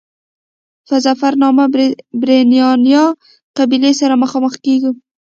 په ظفرنامه کې پرنیاني قبیلې سره مخامخ کېږو.